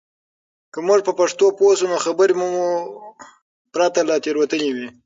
که موږ په پښتو پوه شو، نو خبرې به مو پرته له تېروتنې وي.